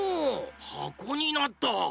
はこになった！